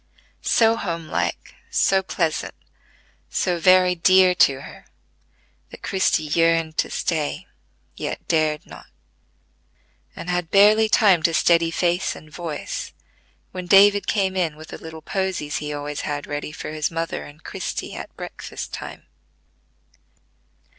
So homelike, so pleasant, so very dear to her, that Christie yearned to stay, yet dared not, and had barely time to steady face and voice, when David came in with the little posies he always had ready for his mother and Christie at breakfast time.